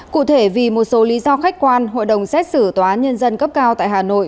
cụ thể vì một số lý do khách quan hội đồng xét xử tòa án nhân dân cấp cao tại hà nội